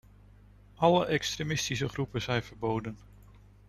Alle extremistische groepen zijn verboden.